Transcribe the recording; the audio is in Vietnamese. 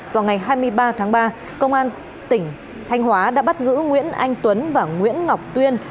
vào ngày hai mươi ba tháng ba công an tỉnh thanh hóa đã bắt giữ nguyễn anh tuấn và nguyễn ngọc tuyên